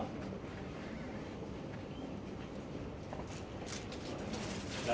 ก็จะเสียชีวิตโดย